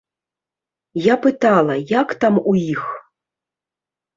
Я пытала, як там у іх.